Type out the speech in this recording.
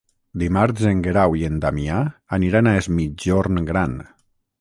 Dimarts en Guerau i en Damià aniran a Es Migjorn Gran.